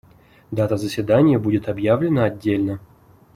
Дата заседания будет объявлена отдельно.